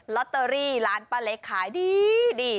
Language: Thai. ลอตเตอรี่ร้านป้าเล็กขายดี